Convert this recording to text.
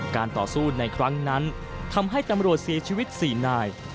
ต่อสู้ในครั้งนั้นทำให้ตำรวจเสียชีวิต๔นาย